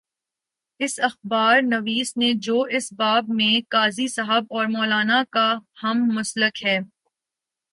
اس اخبار نویس نے جو اس باب میں قاضی صاحب اور مو لانا کا ہم مسلک ہے۔